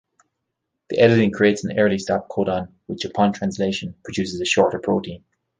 The editing creates an early stop codon, which, upon translation, produces a shorter protein.